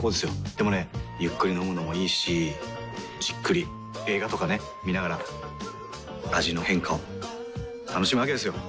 でもねゆっくり飲むのもいいしじっくり映画とかね観ながら味の変化を楽しむわけですよ。